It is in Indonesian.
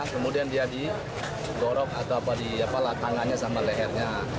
kemudian dia digorok di tangannya sama lehernya